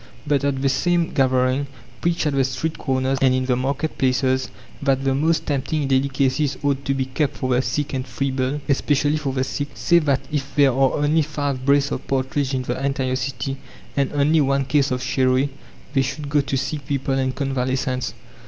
But say at the same gathering, preach at the street corners and in the market places, that the most tempting delicacies ought to be kept for the sick and feeble especially for the sick. Say that if there are only five brace of partridge in the entire city, and only one case of sherry, they should go to sick people and convalescents.